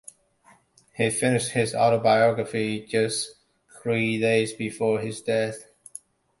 He finished his autobiography just three days before his death.